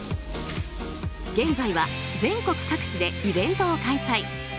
現在は全国各地でイベントを開催。